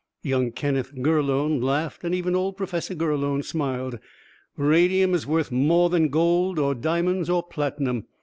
Young Kenneth Gurlone laughed, and even old Professor Gurlone smiled. "Radium is worth more than gold or diamonds or platinum.